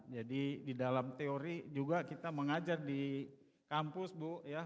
jadi di dalam teori juga kita mengajar di kampus bu ya